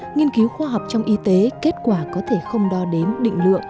nghiên cứu khoa học trong y tế kết quả có thể không đo đến